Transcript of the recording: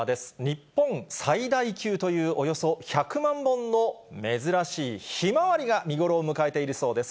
日本最大級というおよそ１００万本の珍しいひまわりが見頃を迎えているそうです。